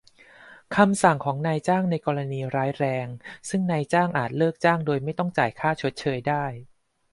คำสั่งของนายจ้างในกรณีร้ายแรง ซึ่งนายจ้างอาจเลิกจ้างโดยไม่ต้องจ่ายค่าชดเชยได้